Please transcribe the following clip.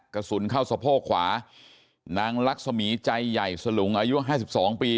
กระสุนเข้าสะโพกขวานางลักษมีใจใหญ่สลุงอายุห้าสิบสองปี